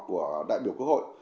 của đại biểu cơ hội